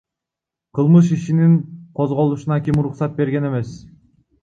Кылмыш ишинин козголушуна ким уруксат берген эмес?